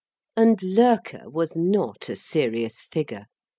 And Loerke was not a serious figure.